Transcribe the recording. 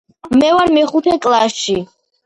მე ვარ მეხუთე კლასში.